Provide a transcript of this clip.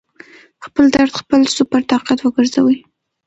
خپل درد خپل سُوپر طاقت وګرځوئ